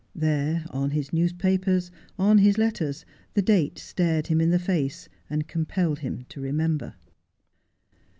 There, on his newspapers, on his letters, the date stared him in the face, and compelled him to remember.